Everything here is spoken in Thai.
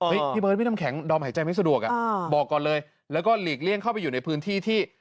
พี่เบิร์ดพี่น้ำแข็งดอมหายใจไม่สะดวกอ่ะบอกก่อนเลยแล้วก็หลีกเลี่ยงเข้าไปอยู่ในพื้นที่ที่